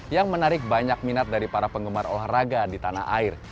yang menarik banyak minat dari para penggemar olahraga di tanah air